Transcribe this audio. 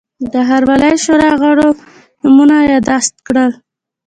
د ښاروالۍ شورا غړو نومونه یاداشت کړل.